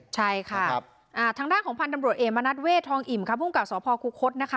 ใช่ค่ะทางด้านของพันธุ์ตำรวจเอกมณัฐเวศทองอิ่มค่ะภูมิกับสพคุคศนะคะ